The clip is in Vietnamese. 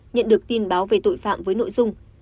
nhận được tin báo về tội phạm với nội dung